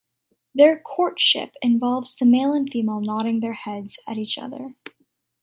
Their courtship involves the male and female nodding their heads at each other.